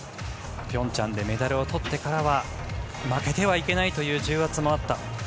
ピョンチャンでメダルをとってからは負けてはいけないという重圧もあった。